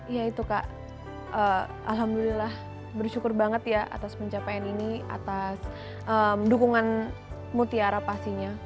iya itu kak alhamdulillah bersyukur banget ya atas pencapaian ini atas dukungan mutiara pastinya